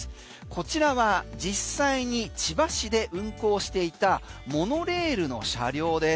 こちらは実際に千葉市で運行していたモノレールの車両です。